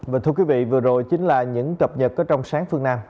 và thưa quý vị vừa rồi chính là những cập nhật có trong sáng phương nam